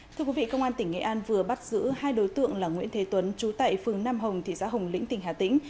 thưa quý vị công an tỉnh nghệ an vừa bắt giữ hai đối tượng là nguyễn thế tuấn chú tại phường nam hồng thị xã hồng lĩnh tỉnh hà tĩnh